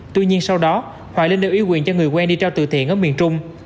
tuy nhiên sau đó hoài linh đều ý quyền cho người quen đi trao từ thiện ở miền trung